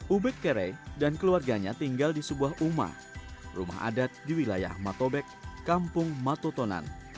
ubek kere dan keluarganya tinggal di sebuah uma rumah adat di wilayah matobek kampung matotonan